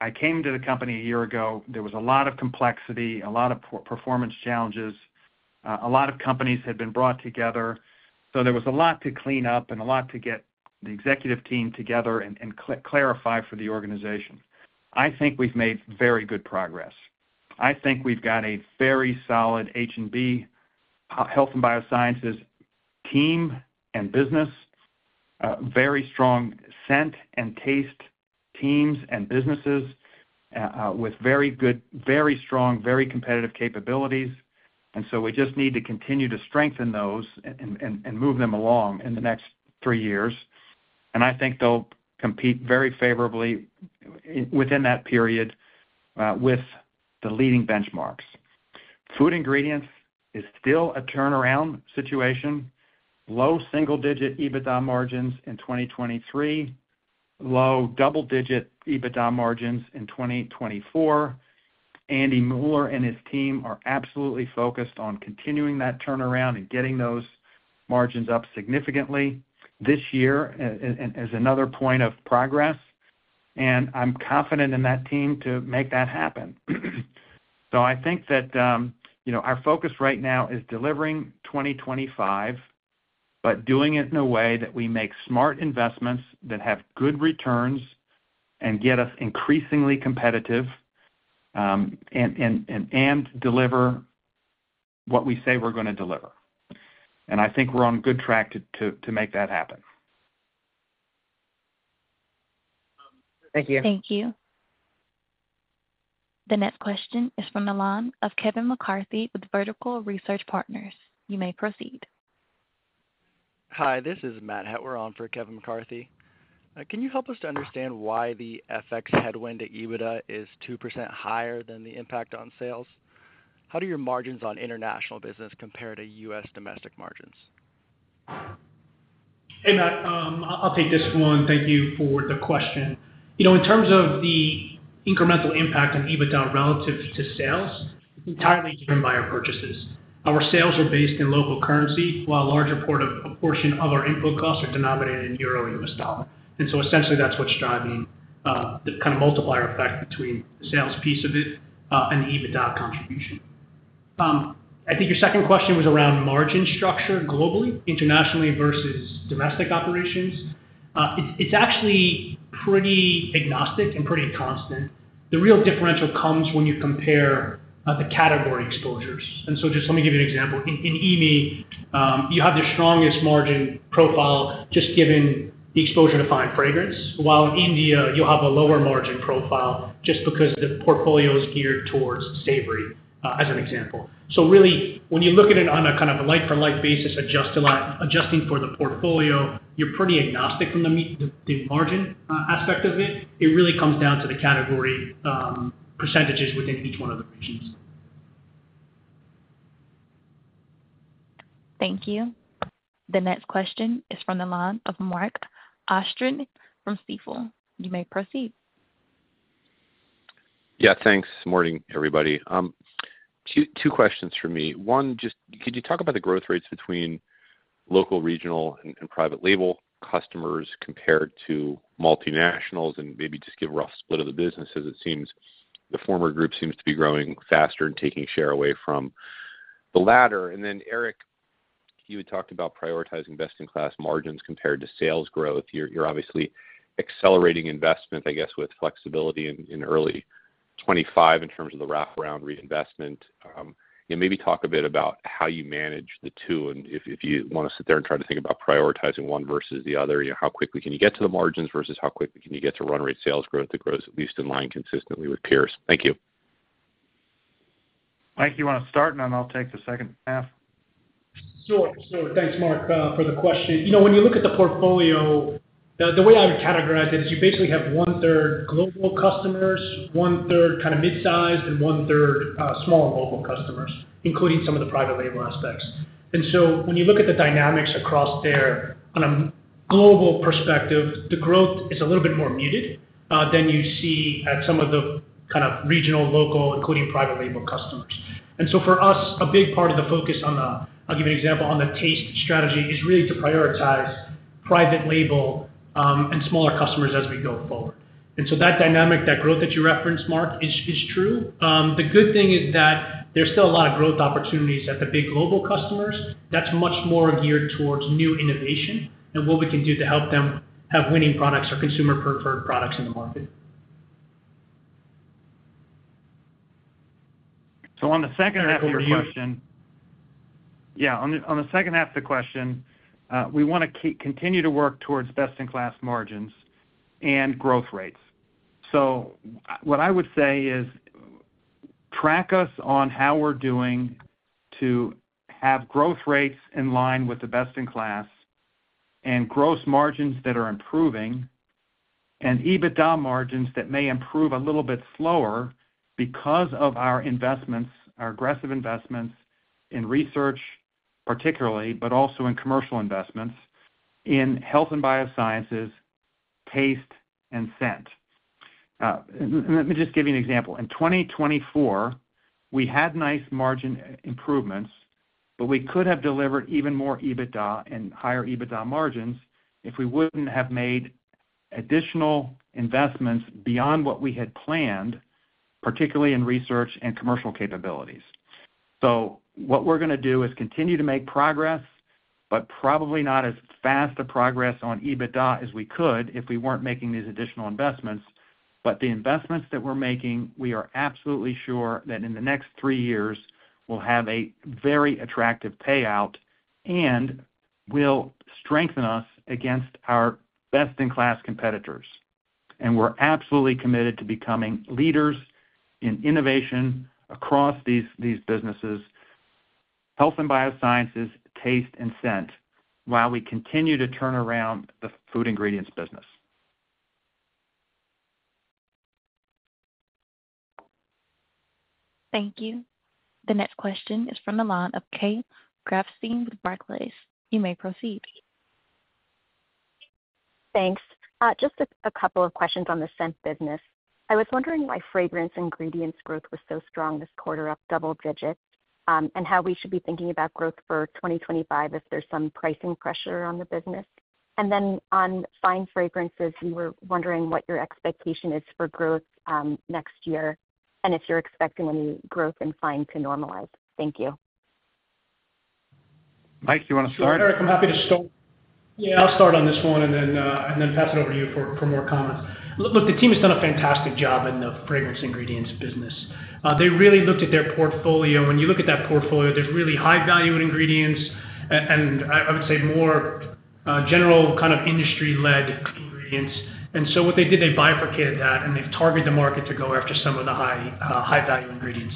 I came to the company a year ago. There was a lot of complexity, a lot of performance challenges. A lot of companies had been brought together. So there was a lot to clean up and a lot to get the executive team together and clarify for the organization. I think we've made very good progress. I think we've got a very solid H&B health and biosciences team and business, very strong Scent and Taste teams and businesses with very good, very strong, very competitive capabilities. And so we just need to continue to strengthen those and move them along in the next three years. And I think they'll compete very favorably within that period with the leading benchmarks. Food Ingredients is still a turnaround situation. Low single-digit EBITDA margins in 2023, low double-digit EBITDA margins in 2024. Andy Mueller and his team are absolutely focused on continuing that turnaround and getting those margins up significantly this year as another point of progress. And I'm confident in that team to make that happen. So I think that our focus right now is delivering 2025, but doing it in a way that we make smart investments that have good returns and get us increasingly competitive and deliver what we say we're going to deliver. And I think we're on a good track to make that happen. Thank you. Thank you. The next question is from the line of Kevin McCarthy with Vertical Research Partners. You may proceed. Hi, this is Matt Hettwer on for Kevin McCarthy. Can you help us to understand why the FX headwind at EBITDA is 2% higher than the impact on sales? How do your margins on international business compare to U.S. domestic margins? Hey, Matt. I'll take this one. Thank you for the question. In terms of the incremental impact on EBITDA relative to sales, it's entirely driven by our purchases. Our sales are based in local currency, while a large portion of our input costs are denominated in euro, U.S. dollar. And so essentially, that's what's driving the kind of multiplier effect between the sales piece of it and the EBITDA contribution. I think your second question was around margin structure globally, internationally versus domestic operations. It's actually pretty agnostic and pretty constant. The real differential comes when you compare the category exposures. And so just let me give you an example. In EMI, you have the strongest margin profile just given the exposure to fine fragrance, while in India, you'll have a lower margin profile just because the portfolio is geared towards savory, as an example. So really, when you look at it on a kind of a like-for-like basis, adjusting for the portfolio, you're pretty agnostic from the margin aspect of it. It really comes down to the category percentages within each one of the regions. Thank you. The next question is from the line of Mark Astrachan from Stifel. You may proceed. Yeah, thanks. Morning, everybody. Two questions for me. One, just could you talk about the growth rates between local, regional, and private label customers compared to multinationals and maybe just give a rough split of the business, as it seems the former group seems to be growing faster and taking share away from the latter. And then, Erik, you had talked about prioritizing best-in-class margins compared to sales growth. You're obviously accelerating investment, I guess, with flexibility in early 2025 in terms of the wrap-around reinvestment. And maybe talk a bit about how you manage the two. And if you want to sit there and try to think about prioritizing one versus the other, how quickly can you get to the margins versus how quickly can you get to run-rate sales growth that grows at least in line consistently with peers? Thank you. Mike, you want to start, and then I'll take the second half. Sure. Thanks, Mark, for the question. When you look at the portfolio, the way I would categorize it is you basically have one-third global customers, one-third kind of mid-sized, and one-third small and local customers, including some of the private label aspects. And so when you look at the dynamics across there on a global perspective, the growth is a little bit more muted than you see at some of the kind of regional, local, including private label customers. And so for us, a big part of the focus on the, I'll give you an example, on the taste strategy is really to prioritize private label and smaller customers as we go forward. And so that dynamic, that growth that you referenced, Mark, is true. The good thing is that there's still a lot of growth opportunities at the big global customers. That's much more geared towards new innovation and what we can do to help them have winning products or consumer-preferred products in the market. So on the second (crosstalk) half of your question, yeah, on the second half of the question, we want to continue to work towards best-in-class margins and growth rates. So what I would say is track us on how we're doing to have growth rates in line with the best-in-class and gross margins that are improving and EBITDA margins that may improve a little bit slower because of our investments, our aggressive investments in research, particularly, but also in commercial investments in Health and Biosciences, Taste, and Scent. And let me just give you an example. In 2024, we had nice margin improvements, but we could have delivered even more EBITDA and higher EBITDA margins if we wouldn't have made additional investments beyond what we had planned, particularly in research and commercial capabilities. So what we're going to do is continue to make progress, but probably not as fast a progress on EBITDA as we could if we weren't making these additional investments. But the investments that we're making, we are absolutely sure that in the next three years, we'll have a very attractive payout and will strengthen us against our best-in-class competitors. And we're absolutely committed to becoming leaders in innovation across these businesses: Health and Biosciences, Taste, and Scent, while we continue to turn around the Food Ingredients business. Thank you. The next question is from Nolan of Kate Grafstein with Barclays. You may proceed. Thanks. Just a couple of questions on the scent business. I was wondering why fragrance ingredients growth was so strong this quarter up double-digit and how we should be thinking about growth for 2025 if there's some pricing pressure on the business. And then on fine fragrances, we were wondering what your expectation is for growth next year and if you're expecting any growth in fine to normalize. Thank you. Mike, do you want to start? Erik, I'm happy to start. Yeah, I'll start on this one and then pass it over to you for more comments. Look, the team has done a fantastic job in the fragrance ingredients business. They really looked at their portfolio. When you look at that portfolio, there's really high-valued ingredients, and I would say more general kind of industry-led ingredients. And so what they did, they bifurcated that, and they've targeted the market to go after some of the high-value ingredients.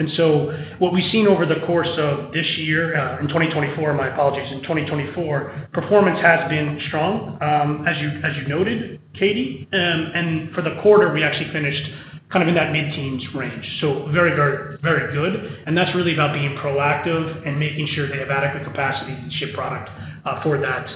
And so what we've seen over the course of this year, in 2024, my apologies, in 2024, performance has been strong, as you noted, Kate. And for the quarter, we actually finished kind of in that mid-teens range. So very, very, very good. And that's really about being proactive and making sure they have adequate capacity to ship product for that.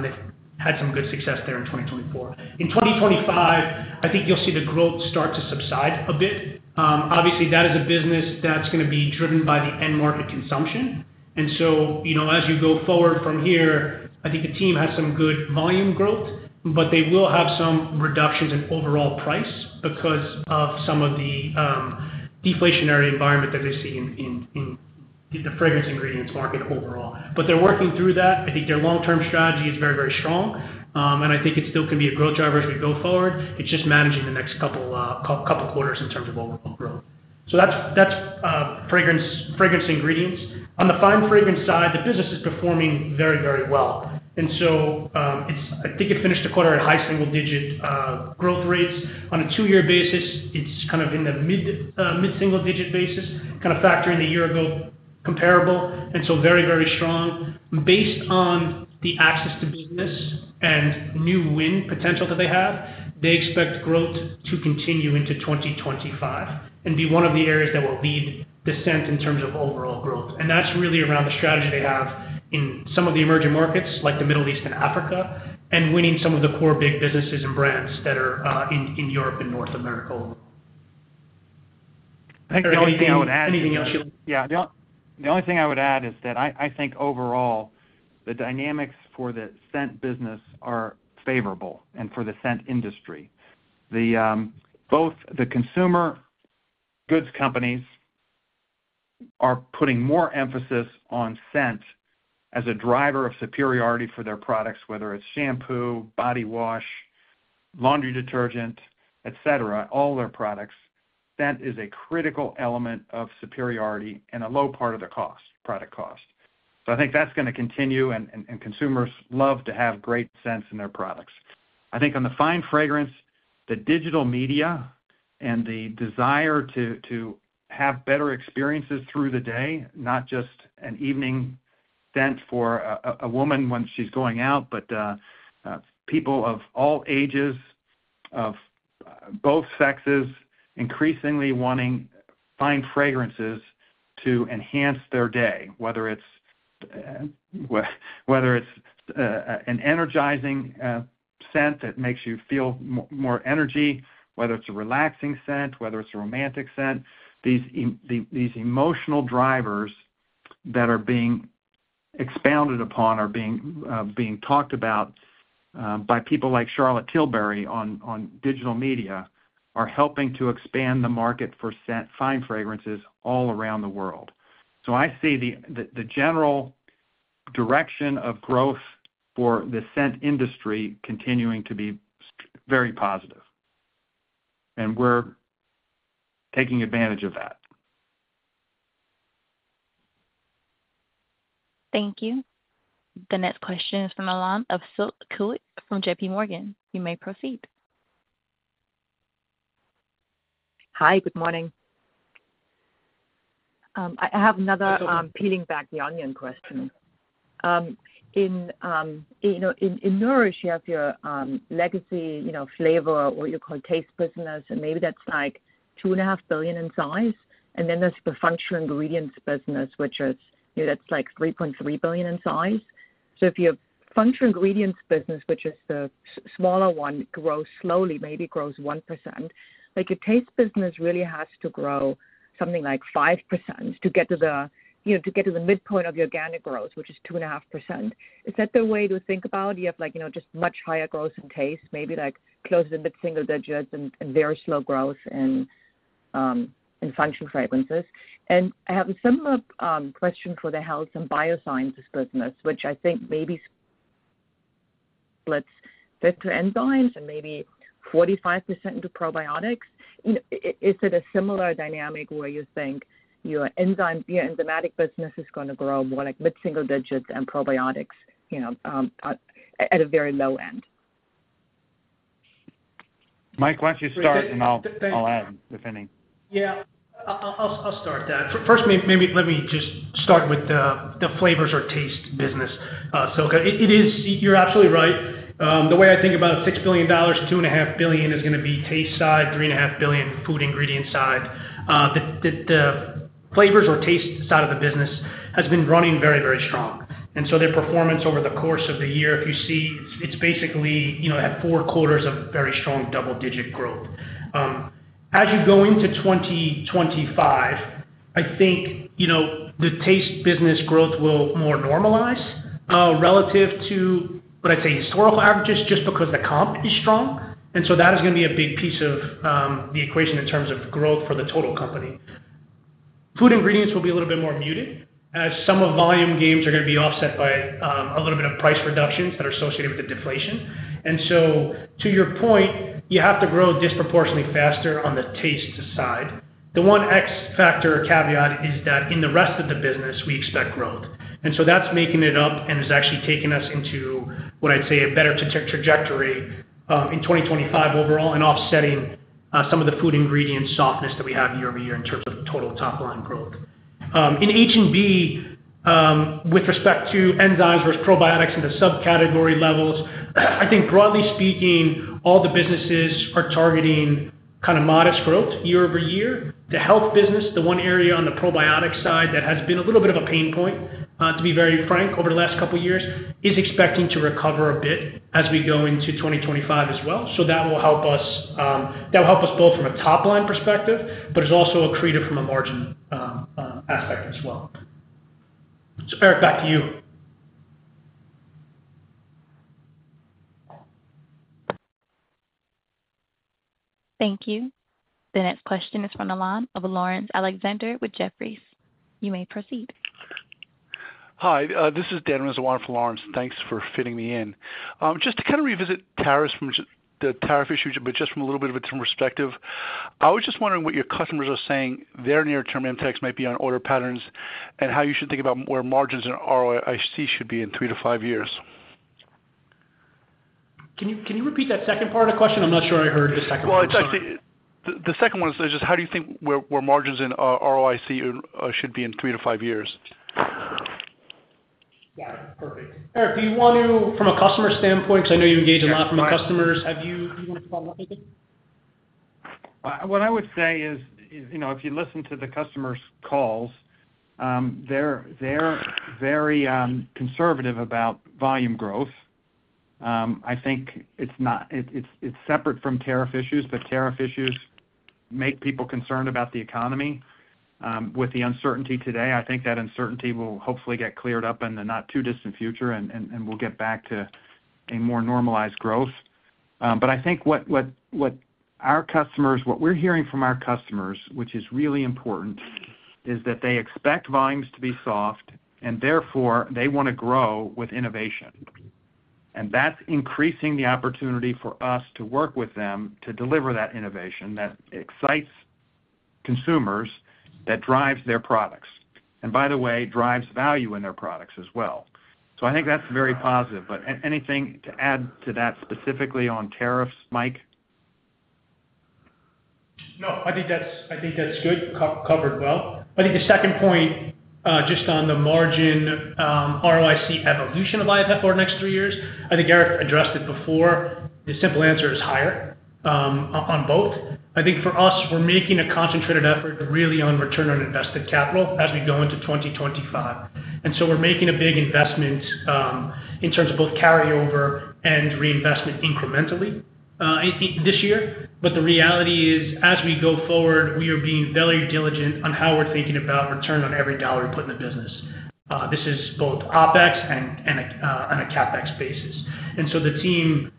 They've had some good success there in 2024. In 2025, I think you'll see the growth start to subside a bit. Obviously, that is a business that's going to be driven by the end-market consumption. As you go forward from here, I think the team has some good volume growth, but they will have some reductions in overall price because of some of the deflationary environment that they see in the fragrance ingredients market overall. They're working through that. I think their long-term strategy is very, very strong. I think it still can be a growth driver as we go forward. It's just managing the next couple of quarters in terms of overall growth. That's fragrance ingredients. On the fine fragrance side, the business is performing very, very well. I think it finished the quarter at high single-digit growth rates. On a two-year basis, it's kind of in the mid-single-digit basis, kind of factoring the year-ago comparable. And so very, very strong. Based on the access to business and new win potential that they have, they expect growth to continue into 2025 and be one of the areas that will lead the scent in terms of overall growth. And that's really around the strategy they have in some of the emerging markets like the Middle East and Africa and winning some of the core big businesses and brands that are in Europe and North America overall. I think the only thing I would add is that I think overall, the dynamics for the scent business are favorable and for the scent industry. Both the consumer goods companies are putting more emphasis on scent as a driver of superiority for their products, whether it's shampoo, body wash, laundry detergent, etc., all their products. Scent is a critical element of superiority and a low part of the cost, product cost. So I think that's going to continue, and consumers love to have great scents in their products. I think on the fine fragrance, the digital media and the desire to have better experiences through the day, not just an evening scent for a woman when she's going out, but people of all ages, of both sexes, increasingly wanting fine fragrances to enhance their day, whether it's an energizing scent that makes you feel more energy, whether it's a relaxing scent, whether it's a romantic scent. These emotional drivers that are being expounded upon or being talked about by people like Charlotte Tilbury on digital media are helping to expand the market for fine fragrances all around the world, so I see the general direction of growth for the scent industry continuing to be very positive, and we're taking advantage of that. Thank you. The next question is from Silke Kueck of J.P. Morgan. You may proceed. Hi, good morning. I have another peeling back the onion question. In Nourish, you have your legacy flavor, what you call taste business, and maybe that's like $2.5 billion in size, and then there's the functional ingredients business, which is that's like $3.3 billion in size. So if your functional ingredients business, which is the smaller one, grows slowly, maybe grows 1%, like your taste business really has to grow something like 5% to get to the midpoint of your organic growth, which is 2.5%. Is that the way to think about it? You have just much higher growth in taste, maybe close to the mid-single digits and very slow growth in functional ingredients. And I have a similar question for the health and biosciences business, which I think maybe splits 50% into enzymes and maybe 45% into probiotics. Is it a similar dynamic where you think your enzymatic business is going to grow more like mid-single digits and probiotics at a very low end? Mike, why don't you start, and I'll add if any? Yeah, I'll start that. First, maybe let me just start with the flavors or taste business. So it is, you're absolutely right. The way I think about $6 billion, $2.5 billion is going to be taste side, $3.5 billion food ingredients side. The flavors or taste side of the business has been running very, very strong. And so their performance over the course of the year, if you see, it's basically had four quarters of very strong double-digit growth. As you go into 2025, I think the taste business growth will more normalize relative to, what I'd say, historical averages just because the comp is strong. And so that is going to be a big piece of the equation in terms of growth for the total company. Food Ingredients will be a little bit more muted as some of the volume gains are going to be offset by a little bit of price reductions that are associated with the deflation, and so to your point, you have to grow disproportionately faster on the Taste side. The one X factor caveat is that in the rest of the business, we expect growth, and so that's making it up and is actually taking us into, what I'd say, a better trajectory in 2025 overall and offsetting some of the Food Ingredients softness that we have year over year in terms of total top-line growth. In H&B, with respect to enzymes versus probiotics and the subcategory levels, I think broadly speaking, all the businesses are targeting kind of modest growth year over year. The health business, the one area on the probiotic side that has been a little bit of a pain point, to be very frank, over the last couple of years, is expecting to recover a bit as we go into 2025 as well. So that will help us both from a top-line perspective, but it's also accretive from a margin aspect as well. So Erik, back to you. Thank you. The next question is from the line of Laurence Alexander with Jefferies. You may proceed. Hi, this is Dan. This is Rizzo from Laurence. Thanks for fitting me in. Just to kind of revisit tariffs from the tariff issue, but just from a little bit of a different perspective, I was just wondering what your customers are saying their near-term impacts might be on order patterns and how you should think about where margins and ROIC should be in three to five years. Can you repeat that second part of the question? I'm not sure I heard the second part. It's actually the second one is just how do you think where margins and ROIC should be in three to five years? Yeah, perfect. Erik, do you want to, from a customer standpoint, because I know you engage a lot from customers, have you—what I would say is if you listen to the customer's calls, they're very conservative about volume growth. I think it's separate from tariff issues, but tariff issues make people concerned about the economy. With the uncertainty today, I think that uncertainty will hopefully get cleared up in the not-too-distant future, and we'll get back to a more normalized growth. But I think what our customers, what we're hearing from our customers, which is really important, is that they expect volumes to be soft, and therefore, they want to grow with innovation. And that's increasing the opportunity for us to work with them to deliver that innovation that excites consumers, that drives their products, and by the way, drives value in their products as well. So I think that's very positive. But anything to add to that specifically on tariffs, Mike? No, I think that's good. Covered well. I think the second point, just on the margin ROIC evolution of IFF over the next three years, I think Erik addressed it before. The simple answer is higher on both. I think for us, we're making a concentrated effort really on return on invested capital as we go into 2025. And so we're making a big investment in terms of both carryover and reinvestment incrementally this year. But the reality is, as we go forward, we are being very diligent on how we're thinking about return on every dollar we put in the business. This is both OpEx and a CapEx basis. So the team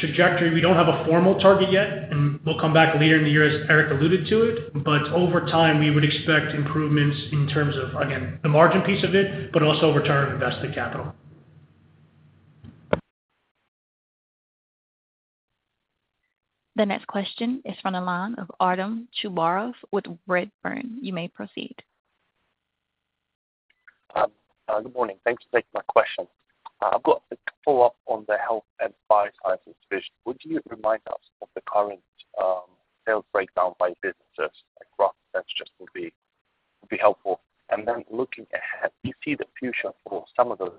trajectory, we don't have a formal target yet, and we'll come back later in the year, as Erik alluded to it. Over time, we would expect improvements in terms of, again, the margin piece of it, but also Return on Invested Capital. The next question is from Artem Chubarov with Redburn. You may proceed. Good morning. Thanks for taking my question. I've got a follow-up on the Health and Biosciences division. Would you remind us of the current sales breakdown by businesses across? That just would be helpful, and then looking ahead, do you see the future for some of those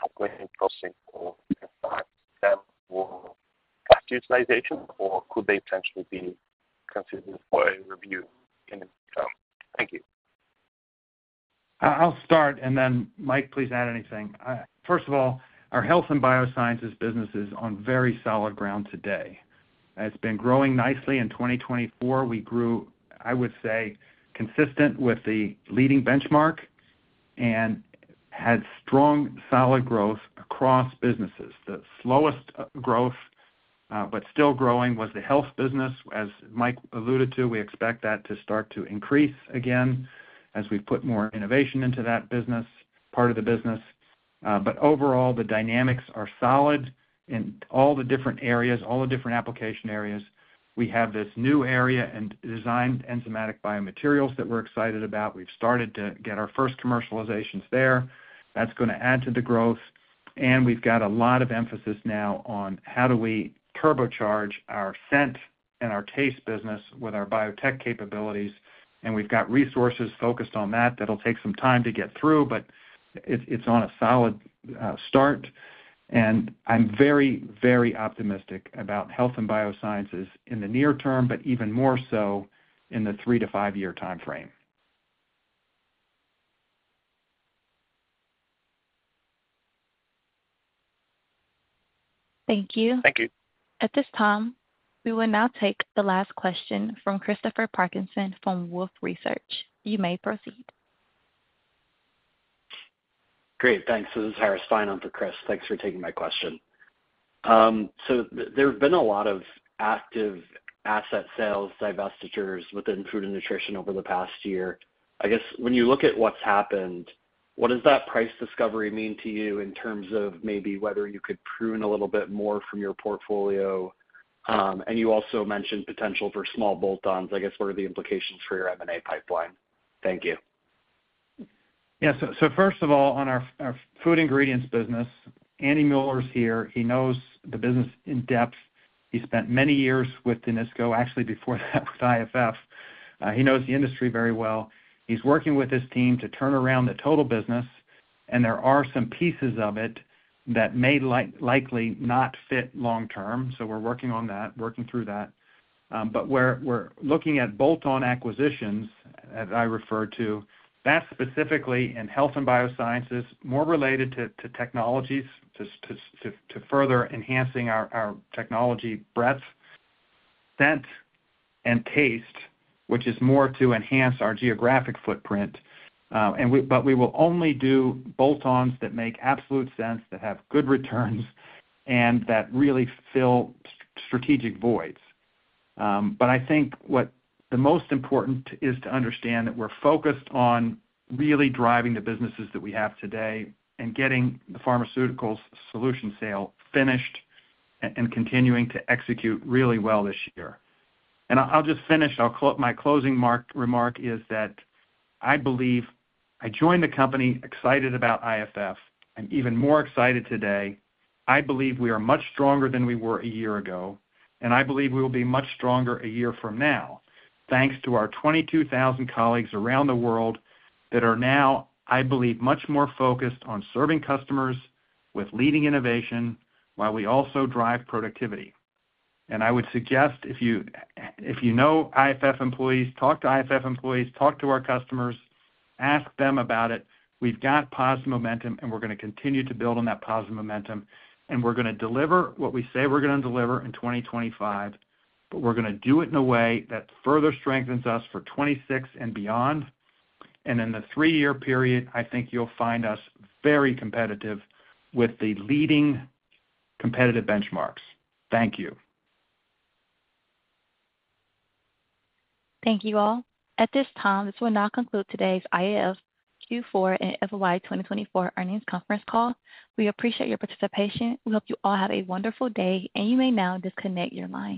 software processing or (audio distortion) them for past utilization, or could they potentially be considered for a review in the (audio distortion) future? Thank you. I'll start, and then Mike, please add anything. First of all, our health and biosciences business is on very solid ground today. It's been growing nicely. In 2024, we grew, I would say, consistent with the leading benchmark and had strong, solid growth across businesses. The slowest growth, but still growing, was the health business. As Mike alluded to, we expect that to start to increase again as we put more innovation into that business, part of the business. But overall, the dynamics are solid in all the different areas, all the different application areas. We have this new area and Designed Enzymatic Biomaterials that we're excited about. We've started to get our first commercializations there. That's going to add to the growth. And we've got a lot of emphasis now on how do we turbocharge our scent and our taste business with our biotech capabilities. We've got resources focused on that that'll take some time to get through, but it's on a solid start. I'm very, very optimistic about health and biosciences in the near term, but even more so in the three to five-year timeframe. Thank you. Thank you. At this time, we will now take the last question from Christopher Parkinson from Wolfe Research. You may proceed. Great. Thanks. This is Harris Fein for Chris. Thanks for taking my question. So there have been a lot of active asset sales divestitures within food and nutrition over the past year. I guess when you look at what's happened, what does that price discovery mean to you in terms of maybe whether you could prune a little bit more from your portfolio? And you also mentioned potential for small bolt-ons. I guess what are the implications for your M&A pipeline? Thank you. Yeah. So first of all, on our food ingredients business, Andy Mueller's here. He knows the business in depth. He spent many years with Danisco, actually before that with IFF. He knows the industry very well. He's working with his team to turn around the total business, and there are some pieces of it that may likely not fit long-term. So we're working on that, working through that. But we're looking at bolt-on acquisitions that I refer to, that's specifically in health and biosciences, more related to technologies, to further enhancing our technology breadth, scent, and taste, which is more to enhance our geographic footprint. But we will only do bolt-ons that make absolute sense, that have good returns, and that really fill strategic voids. But I think what the most important is to understand that we're focused on really driving the businesses that we have today and getting the Pharma Solutions sale finished and continuing to execute really well this year. And I'll just finish. My closing remark is that I believe I joined the company excited about IFF and even more excited today. I believe we are much stronger than we were a year ago, and I believe we will be much stronger a year from now, thanks to our 22,000 colleagues around the world that are now, I believe, much more focused on serving customers with leading innovation while we also drive productivity. And I would suggest, if you know IFF employees, talk to IFF employees, talk to our customers, ask them about it. We've got positive momentum, and we're going to continue to build on that positive momentum. And we're going to deliver what we say we're going to deliver in 2025, but we're going to do it in a way that further strengthens us for 2026 and beyond. And in the three-year period, I think you'll find us very competitive with the leading competitive benchmarks. Thank you. Thank you all. At this time, this will now conclude today's IFF Q4 and FY 2024 earnings conference call. We appreciate your participation. We hope you all have a wonderful day, and you may now disconnect your line.